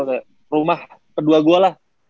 kayak rumah kedua gue lah